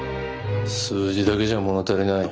数字だけじゃ物足りない。